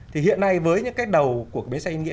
thì hiện nay với những cái đầu của bến xe ý nghĩa